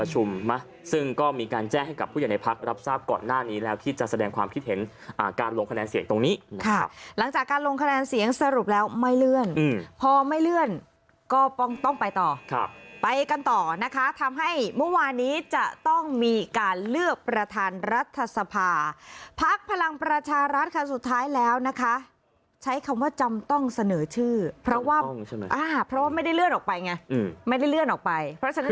เห็นอ่าการลงคะแนนเสียงตรงนี้ค่ะหลังจากการลงคะแนนเสียงสรุปแล้วไม่เลื่อนอืมพอไม่เลื่อนก็ต้องไปต่อครับไปกันต่อนะคะทำให้เมื่อวานี้จะต้องมีการเลือกประธานรัฐสภาพักพลังประชารัฐค่ะสุดท้ายแล้วนะคะใช้คำว่าจำต้องเสนอชื่อจำต้องใช่ไหมอ่าเพราะว่าไม่ได้เลื่อนออกไปไงอืมไม